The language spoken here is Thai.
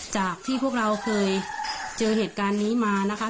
จากที่พวกเราเคยเจอเหตุการณ์นี้มานะคะ